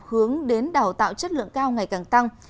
hướng đến đào tạo chất lượng cao ngày càng tăng